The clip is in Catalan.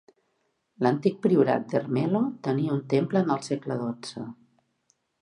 L'antic priorat d'Hermelo tenia un temple en el segle XII.